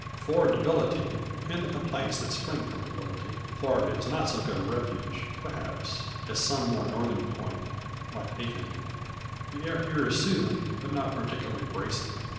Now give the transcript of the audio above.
For debility, and the complaints that spring from debility, Florida is not so good a refuge, perhaps, as some more northern point, like Aiken. The air here is soothing, but not particularly bracing.